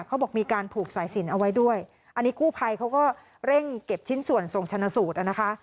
เขาบอกมีการผูกสายสินเอาไว้ด้วยอันนี้กู้ภัยเขาก็เร่งเก็บชิ้นส่วนส่งชนะสูตรนะคะ